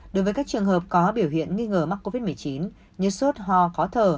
đối với các trường hợp có biểu hiện nghi ngờ mắc covid một mươi chín như sốt ho khó thở